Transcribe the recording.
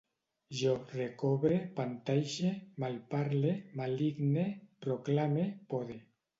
Jo recobre, pantaixe, malparle, maligne, proclame, pode